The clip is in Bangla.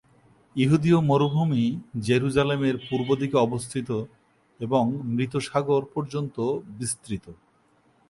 যিহূদীয় মরুভূমি জেরুসালেমের পূর্বদিকে অবস্থিত এবং মৃত সাগর পর্যন্ত বিস্তৃত।